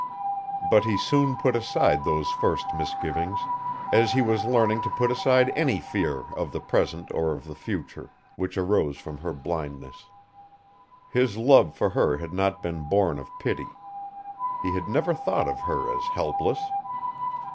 But he soon put aside those first misgivings, as he was learning to put aside any fear of the present or of the future, which arose from her blindness. His love for her had not been borne of pity. He had never thought of her as helpless.